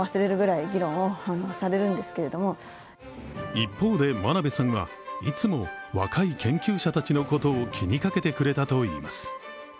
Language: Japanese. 一方で真鍋さんはいつも若い研究者たちのことを気にかけてくれていたといいます。